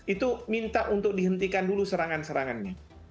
itu minta untuk dihentikan dulu serangan serangannya